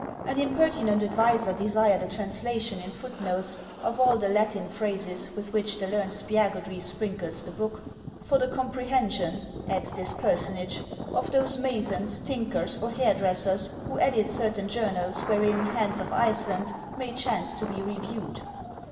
An impertinent adviser desired a translation in foot notes of all the Latin phrases with which the learned Spiagudry sprinkles the book. '•' for the comprehension,'' adds this per sonage, "of those masons, tinkers, or hairdressers who edit certain journals wherein ' Hans of Iceland ' may chance to be reviewed." The